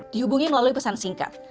di hubungi melalui pesan singkat